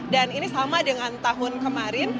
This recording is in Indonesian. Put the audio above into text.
dan ini sama dengan tahun kemarin